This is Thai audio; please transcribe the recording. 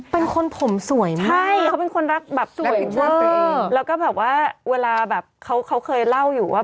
เป็นคนผมสวยมากสวยเวอร์แล้วก็แบบว่าเวลาแบบเขาเคยเล่าอยู่ว่า